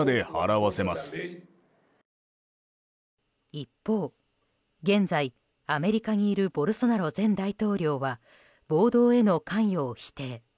一方、現在アメリカにいるボルソナロ前大統領は暴動への関与を否定。